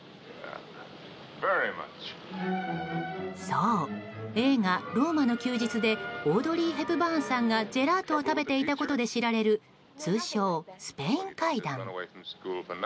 そう、映画「ローマの休日」でオードリー・ヘプバーンさんがジェラートを食べていたことで知られる、通称スペイン階段。